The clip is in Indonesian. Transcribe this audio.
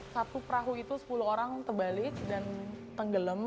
satu perahu itu sepuluh orang terbalik dan tenggelam